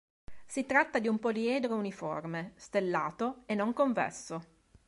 Si tratta di un poliedro uniforme, stellato e non convesso.